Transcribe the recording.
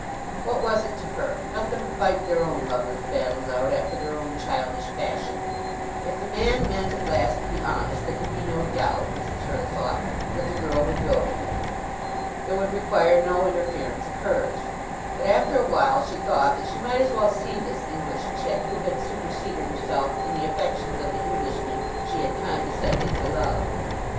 What was it to her? Let them fight their own lovers' battles out after their own childish fashion. If the man meant at last to be honest, there could be no doubt, Mrs. Hurtle thought, that the girl would go to him. It would require no interference of hers. But after a while she thought that she might as well see this English chit who had superseded herself in the affections of the Englishman she had condescended to love.